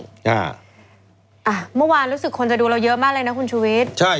อ่าเมื่อวานรู้สึกคนจะดูเราเยอะมากเลยนะคุณชุวิตใช่